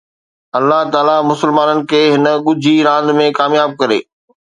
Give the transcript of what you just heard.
الله تعاليٰ مسلمانن کي هن ڳجهي راند ۾ ڪامياب ڪري